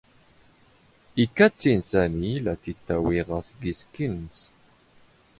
ⵉⴽⴽⴰ ⵜⵜ ⵉⵏⵏ ⵙⴰⵎⵉ ⵍⴰ ⵜⵜ ⵉⵜⵜⴰⵡⵉ ⵖⴰⵙ ⴳ ⵉⵙⴽⴽⵉⵏ ⵏⵏⵙ.